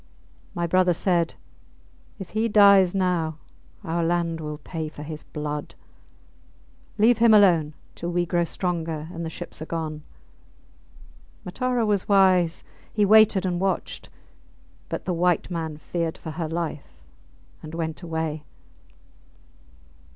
My brother said, If he dies now our land will pay for his blood. Leave him alone till we grow stronger and the ships are gone. Matara was wise; he waited and watched. But the white man feared for her life and went away.